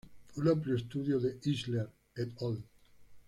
Un amplio estudio de Isler "et al".